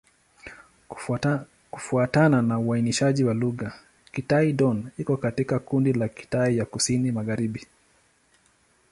Kufuatana na uainishaji wa lugha, Kitai-Dón iko katika kundi la Kitai ya Kusini-Magharibi.